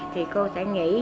thì cô sẽ nghỉ